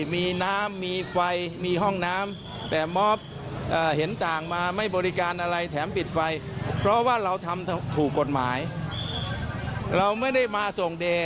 ที่มีน้ำมีไฟมีห้องน้ำแต่มอฟเห็นต่างมาไม่บริการอะไรแถมปริศนาคมีไฟ